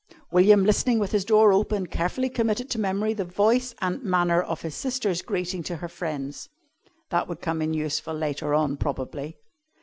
William, listening with his door open, carefully committed to memory the voice and manner of his sister's greeting to her friends. That would come in useful later on, probably.